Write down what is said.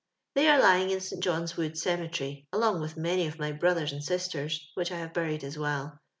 They are lying in St. John's Wood cemetery along with many of my brothers and sisters, which I have buried as well.